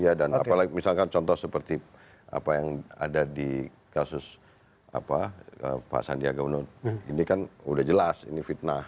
iya dan apalagi misalkan contoh seperti apa yang ada di kasus pak sandiaga uno ini kan udah jelas ini fitnah